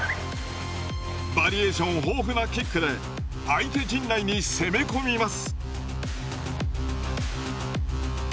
バリエーション豊富なキックで相手陣内に攻め込みます。